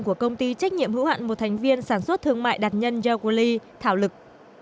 của công ty trách nhiệm hữu hạn một thành viên sản xuất thương mại đạt nhân yeo kuo li thảo lực